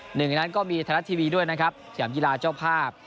หนึ่งอย่างนั้นก็มีทะลัดทีวีด้วยนะครับสยามยีลาเจ้าภาพ